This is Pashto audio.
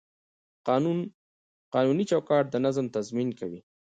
قانوني چوکاټ د نظم تضمین کوي.